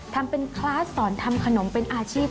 ทำเป็นคลาสสอนทำขนมเป็นอาชีพ